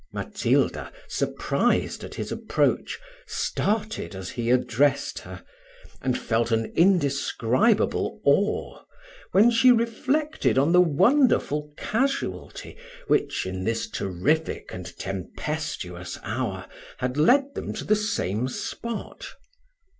Matilda, surprised at his approach, started as he addressed her, and felt an indescribable awe, when she reflected on the wonderful casualty which, in this terrific and tempestuous hour, had led them to the same spot.